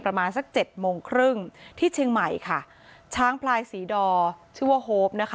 ประมาณสักเจ็ดโมงครึ่งที่เชียงใหม่ค่ะช้างพลายศรีดอชื่อว่าโฮปนะคะ